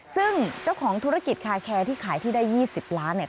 ซึ่งเจ้าของธุรกิจคาแคร์ที่ขายที่ได้๒๐ล้านเนี่ย